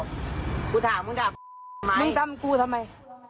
มึงจำกูทำไม